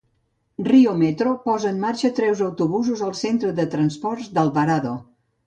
Rio Metro posa en marxa tres autobusos al centre de transport d'Alvarado.